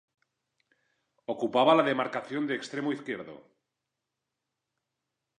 Ocupaba la demarcación de extremo izquierdo.